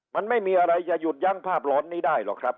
มันไม่มีอะไรจะหยุดยั้งภาพหลอนนี้ได้หรอกครับ